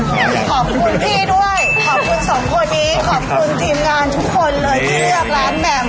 เดี๋ยวก่อนขอบคุณพี่ด้วย